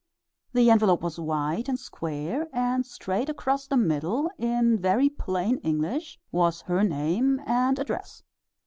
The envelope was white and square, and straight across the middle, in very plain English, was her name and address.